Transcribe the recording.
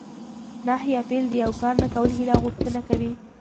نهي فعل د یو کار نه کولو هیله او غوښتنه کوي.